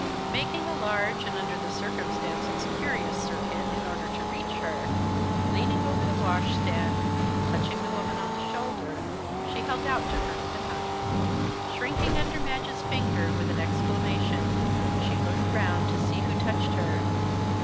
Making a large, and under the circumstances curious circuit, in order to reach her, leaning over the washstand, touching the woman on the shoulder, she held out to her the knife. Shrinking under Madge's finger, with an exclamation she looked round to see who touched her.